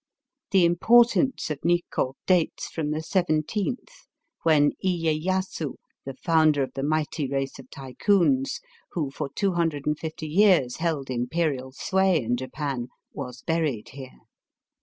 The im portance of Nikko dates from the seventeenth, when lyeyasu, the founder of the mighty race of Tycoons who for 250 years held imperial sway in Japan, was buried here.